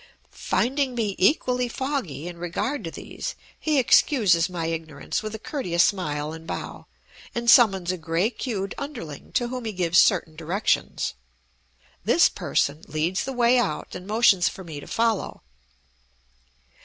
Finding me equally foggy in regard to these, he excuses my ignorance with a courteous smile and bow, and summons a gray queued underling to whom he gives certain directions. This person leads the way out and motions for me to follow.